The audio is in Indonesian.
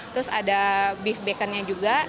terus ada beef baconnya juga